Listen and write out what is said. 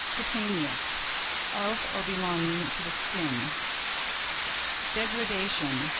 CUTANEOUS.—Of or belonging to the skin. DEGRADATION.